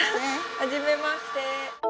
はじめまして。